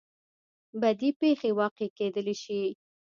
بدې پېښې واقع کېدلی شي.